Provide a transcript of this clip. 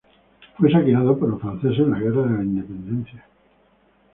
Fue saqueado por los franceses en la Guerra de la Independencia.